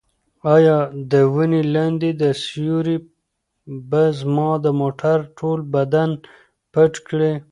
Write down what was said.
ایا د ونې لاندې دا سیوری به زما د موټر ټول بدن پټ کړي؟